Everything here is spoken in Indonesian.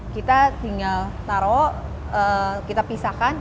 kita tinggal taruh kita pisahkan